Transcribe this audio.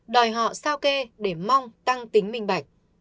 đòi họ sao kê để mong tăng tính minh bạch